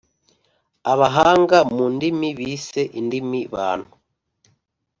abahanga mu ndimi bise indimi Bantu.